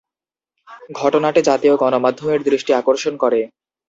ঘটনাটি জাতীয় গণমাধ্যমের দৃষ্টি আকর্ষণ করে।